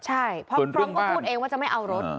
ใช่เพราะฟรองก์ก็พูดเองว่าจะไม่เอารถ